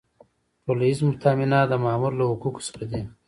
ټولیز تامینات د مامور له حقوقو څخه دي.